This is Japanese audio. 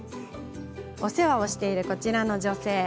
お世話をしている、こちらの女性。